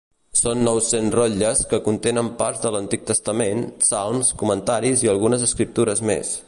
Són nou-cents rotlles, que contenen parts de l'Antic Testament, salms, comentaris i algunes escriptures més.